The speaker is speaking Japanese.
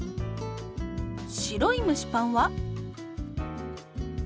白い蒸しパンは？